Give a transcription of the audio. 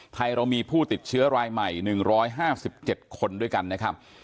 เรามีผู้ติดเชื้อรายใหม่๑๕๗คนด้วยกันนะครับ